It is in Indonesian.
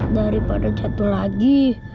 daripada jatuh lagi